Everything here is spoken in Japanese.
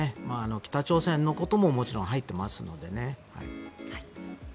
北朝鮮のことももちろん入っていますのでね。